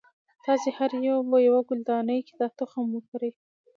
تاسې هر یو به یوه ګلدانۍ کې دا تخم وکری.